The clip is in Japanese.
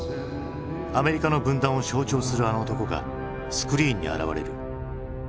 アメリカの分断を象徴するあの男がスクリーンに現れる。